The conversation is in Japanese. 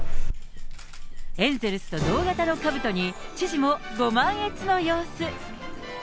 エンゼルスと同型のかぶとに、知事もご満悦の様子。